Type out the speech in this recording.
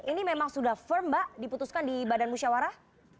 ini memang sudah firm mbak diputuskan di badan musyawarah